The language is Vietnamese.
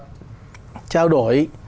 để trao đổi